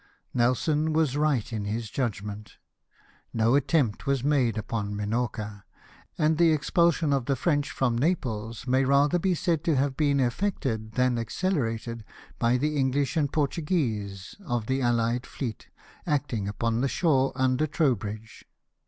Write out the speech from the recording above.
Nelson was right in his judgment, no attempt was made upon Minorca, and the expulsion of the French from Naples may rather be said to have been effected than accelerated by the English and Portu guese of the allied fleet, acting upon shore under Trowbridge.